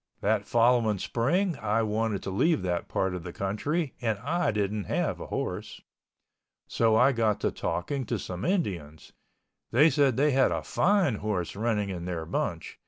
That following spring I wanted to leave that part of the country, and I didn't have a horse. So I got to talking to some Indians. They said they had a fine horse running in their bunch.